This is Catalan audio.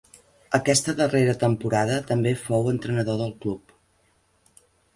Aquesta darrera temporada també fou entrenador del club.